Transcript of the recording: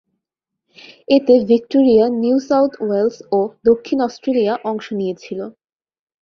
এতে Victoria, New South Wales ও দক্ষিণ অস্ট্রেলিয়া অংশ নিয়েছিল।